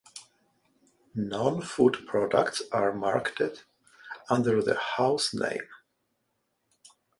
Non-food products are marketed under the "House" name.